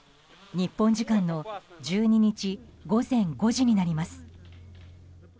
日本時間の１２日午前５時になります。